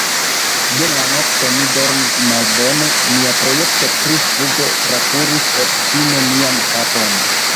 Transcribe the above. Dum la nokto, mi dormis malbone; mia projekto pri fugo trakuris obstine mian kapon.